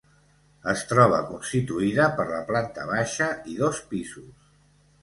Es troba constituïda per la planta baixa i dos pisos.